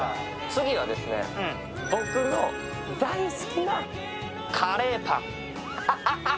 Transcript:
次は、僕の大好きなカレーパン。